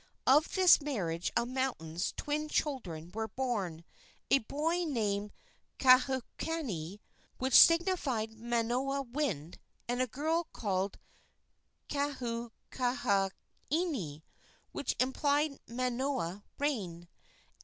Of this marriage of mountains twin children were born a boy named Kahaukani, which signified Manoa wind, and a girl called Kauahuahine, which implied Manoa rain.